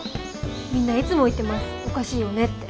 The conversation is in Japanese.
みんないつも言ってますおかしいよねって。